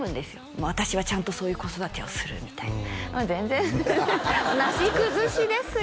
もう私はちゃんとそういう子育てをするみたいな全然なし崩しですよ